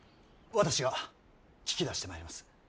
私が聞き出してまいります。